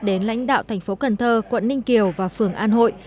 đến lãnh đạo thành phố cần thơ quận ninh kiều và phường an hội